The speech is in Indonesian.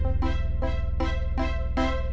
tunggu aku mau ke toilet